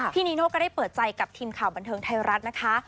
นีโน่ก็ได้เปิดใจกับทีมข่าวบันเทิงไทยรัฐนะคะ